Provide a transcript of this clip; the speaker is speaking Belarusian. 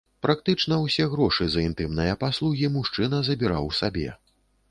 Практычна ўсе грошы за інтымныя паслугі мужчына забіраў сабе.